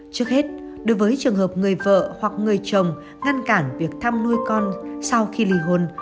trước hết đối với trường hợp người vợ hoặc người chồng ngăn cản việc thăm nuôi con sau khi ly hôn